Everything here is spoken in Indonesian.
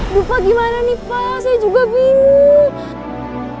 aduh pak gimana nih pak saya juga bingung